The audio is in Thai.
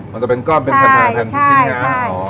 มันจะเป็นก้อนใช่ใช่ใช่